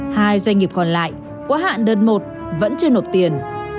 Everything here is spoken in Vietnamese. hai doanh nghiệp còn lại quá hạn đơn một vẫn chưa nộp tiền